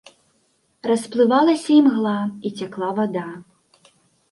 Расплывалася імгла, і цякла вада.